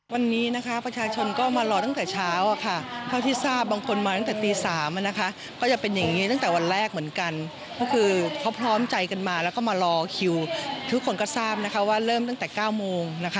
วันนี้ให้ดมมีหน่วยแพทย์เคลื่อนที่ต่าง